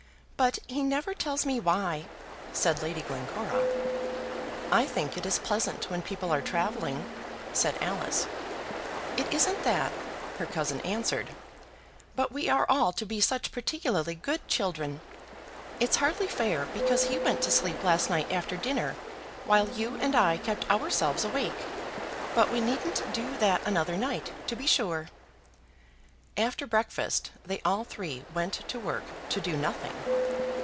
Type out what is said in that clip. "But he never tells me why," said Lady Glencora. "I think it is pleasant when people are travelling," said Alice. "It isn't that," her cousin answered; "but we are all to be such particularly good children. It's hardly fair, because he went to sleep last night after dinner while you and I kept ourselves awake: but we needn't do that another night, to be sure." After breakfast they all three went to work to do nothing.